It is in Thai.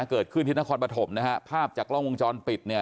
เกิดขึ้นที่นครปฐมภาพจากล้องวงจรปิด